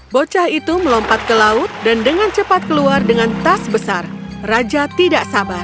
bocah itu melompat ke laut dan dengan cepat keluar dengan tas besar raja tidak sabar